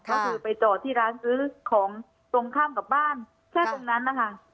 ก็คือไปจอดที่ร้านซื้อของตรงข้ามกับบ้านแค่ตรงนั้นนะคะ